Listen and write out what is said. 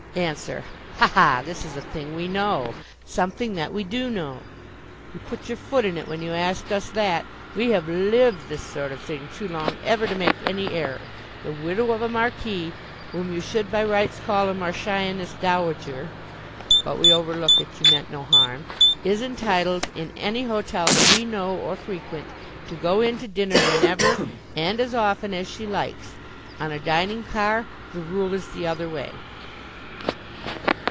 Answer: Ha! ha! This is a thing we know something that we do know. You put your foot in it when you asked us that. We have lived this sort of thing too long ever to make any error. The widow of a marquis, whom you should by rights call a marchioness dowager (but we overlook it you meant no harm) is entitled (in any hotel that we know or frequent) to go in to dinner whenever, and as often, as she likes. On a dining car the rule is the other way.